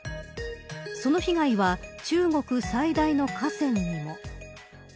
その被害は中国最大の河川にも。